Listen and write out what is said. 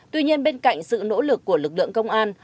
tuy nhiên bên cạnh sự nỗ lực của lực lượng công an